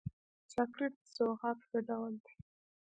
چاکلېټ د سوغات ښه ډول دی.